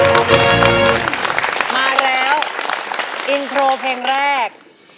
ขอบคุณครับมาแล้วอินโทรเพลงแรก